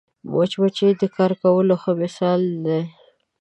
مچمچۍ د کار کولو ښه مثال دی